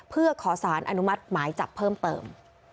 เพื่อขอสารอนุมัติหมายจับเพิ่มเติม